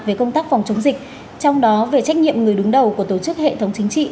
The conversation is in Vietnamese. về công tác phòng chống dịch trong đó về trách nhiệm người đứng đầu của tổ chức hệ thống chính trị